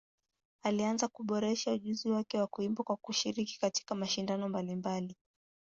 Alianza kuboresha ujuzi wake wa kuimba kwa kushiriki katika mashindano mbalimbali.